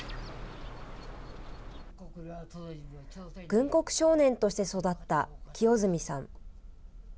軍国少年として育った清積さん。